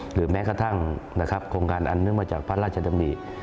หรือแม้กระทั่งโครงการอันนึงมาจากพระราชดำรี